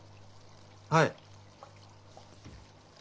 はい。